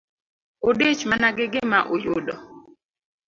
Udich mana gi gima uyudo.